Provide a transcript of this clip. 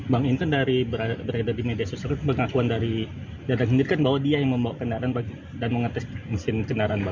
bang ini kan dari berada di media sosial pengakuan dari jadwal hendirkan bahwa dia yang membawa kendaraan dan mengetes mesin kendaraan